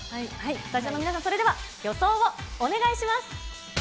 スタジオの皆さん、それでは予想をお願いします。